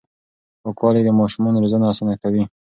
پاکوالي د ماشومانو روزنه اسانه کوي.